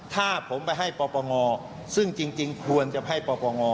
ถ้าผมไปให้ปปงซึ่งจริงควรจะให้ปปง